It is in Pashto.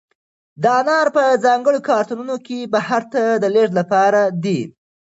دا انار په ځانګړو کارتنونو کې بهر ته د لېږد لپاره دي.